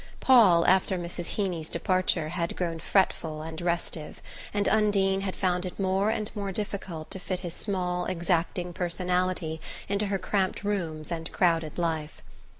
Paul, after Mrs. Heeny's departure, had grown fretful and restive, and Undine had found it more and more difficult to fit his small exacting personality into her cramped rooms and crowded life.